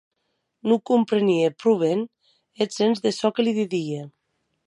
Non comprenie pro ben eth sens de çò que li didie.